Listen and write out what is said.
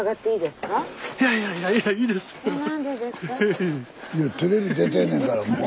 スタジオいやテレビ出てんねんからもう。